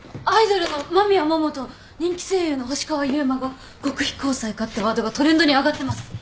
アイドルの真宮桃と人気声優の星川佑馬が極秘交際か？ってワードがトレンドに上がってます。